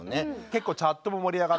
結構チャットも盛り上がってて。